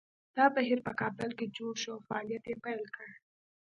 دا بهیر په کابل کې جوړ شو او فعالیت یې پیل کړ